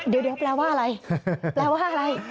เดี๋ยวแปลว่าอะไร